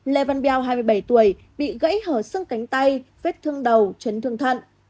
lê văn beo hai mươi bảy tuổi bị gãy hở xương cánh tay vết thương đầu chấn thương thận